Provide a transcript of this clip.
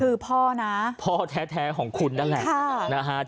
คือพ่อนะทุกพ่อแท้ของคุณน่ะแหละ